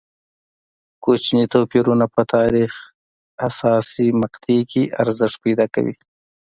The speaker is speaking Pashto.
کوچني توپیرونه په تاریخ حساسې مقطعې کې ارزښت پیدا کوي.